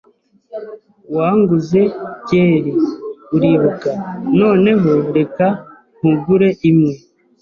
Wanguze byeri, uribuka? Noneho, reka nkugure imwe.